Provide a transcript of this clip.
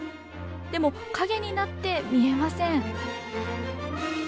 でも陰になって見えません。